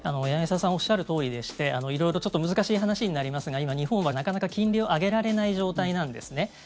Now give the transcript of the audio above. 柳澤さんがおっしゃるとおりでして色々ちょっと難しい話になりますが今、日本はなかなか金利を上げられない状態なんですね。